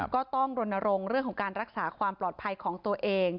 ก็ต้องรณรงค์เรื่องของการรักษาความปลอดภัยของตัวเอง